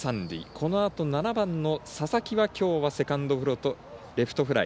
このあと、７番の佐々木はきょうはセカンドゴロとレフトフライ。